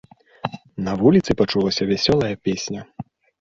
На вуліцы пачулася вясёлая песня.